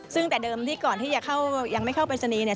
ซึ่งแต่เดิมที่ก่อนที่ยังไม่เข้าปรายศนีย์